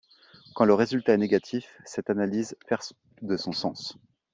Quand le résultat est négatif, cette analyse perd de son sens.